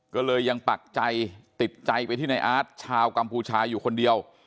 ก็เลยยังปักใจติดใจไปที่ในอาร์ตชาวกัมพูชาอยู่คนเดียว